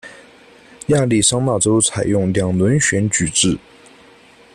亚利桑那州采用两轮选举制。